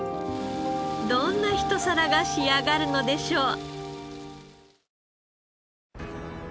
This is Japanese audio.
どんな一皿が仕上がるのでしょう？